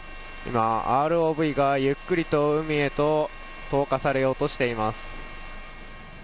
ＲＯＶがゆっくりと海へと投下されようとしています。